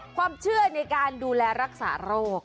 ความเชื่อในการดูแลรักษาโรค